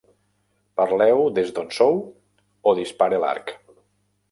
Parleu des d'on sou o dispare l'arc.